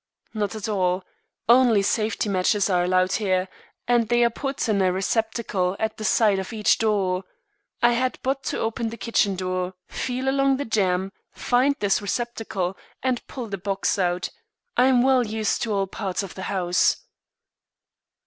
"Not at all. Only safety matches are allowed here, and they are put in a receptacle at the side of each door. I had but to open the kitchen door, feel along the jamb, find this receptacle, and pull the box out. I'm well used to all parts of the house."